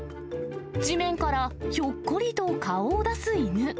地面から、ひょっこりと顔を出す犬。